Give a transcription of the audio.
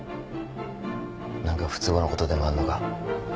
何か不都合なことでもあんのか？